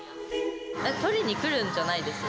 撮りに来るんじゃないですよ